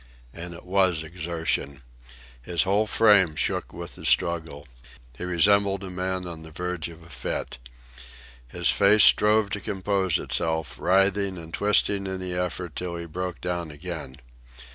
And it was exertion. His whole frame shook with the struggle. He resembled a man on the verge of a fit. His face strove to compose itself, writhing and twisting in the effort till he broke down again.